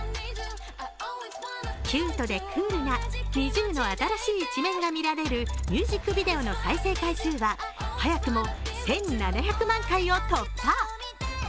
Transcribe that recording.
キュートでクールなＮｉｚｉＵの新しい一面が見られるミュージックビデオの再生回数は早くも１７００万回を突破。